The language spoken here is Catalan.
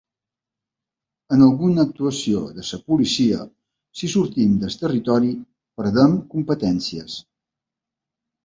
En alguna actuació de la policia, si sortim del territori, perdem competències.